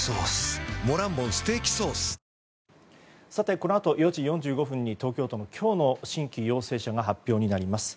このあと４時４５分に東京都の今日の新規陽性者が発表になります。